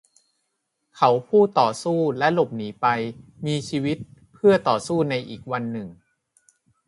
เขาผู้ต่อสู้และหลบหนีไป มีชีวิตเพื่อต่อสู้ในอีกวันหนึ่ง